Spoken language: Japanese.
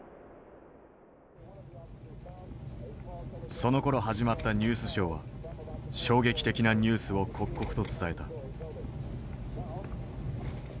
そのころ始まったニュースショーは衝撃的なニュースを刻々と伝えた。